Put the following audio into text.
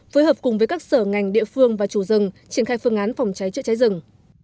phối hợp cùng với các sở ngành địa phương và chủ rừng triển khai phương án phòng cháy chữa cháy rừng